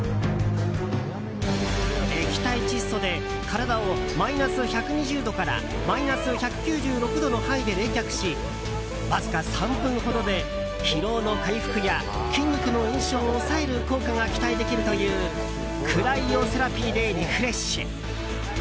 液体窒素で体をマイナス１２０度からマイナス１９６度の範囲で冷却しわずか３分ほどで疲労の回復や筋肉の炎症を抑える効果が期待できるというクライオセラピーでリフレッシュ。